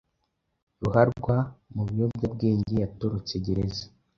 Ruharwa mu biyobyabwenge yatorotse gereza